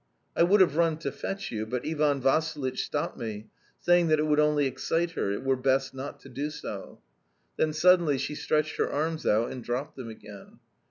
I would have run to fetch you, but Ivan Vassilitch stopped me, saying that it would only excite her it were best not to do so. Then suddenly she stretched her arms out and dropped them again.